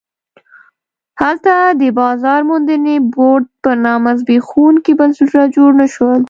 هلته د بازار موندنې بورډ په نامه زبېښونکي بنسټونه جوړ نه شول.